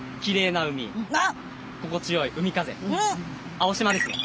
青島ですね。